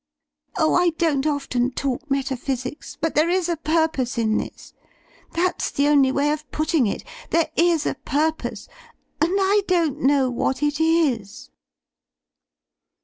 Oh, I don't often talk metaphysics; but there is a purpose in this. That's the only way of putting it ; there is a purpose. And I don't know what It IS.